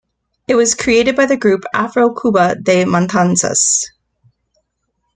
It was created by the group Afro-Cuba De Matanzas.